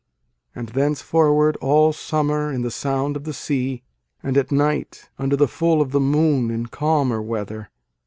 And thenceforward all summer in the sound of the sea, A DAY WITH WALT WHITMAN. And at night under the full of the moon in calmer weather